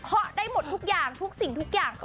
เขาได้หมดทุกอย่างทุกสิ่งทุกอย่าง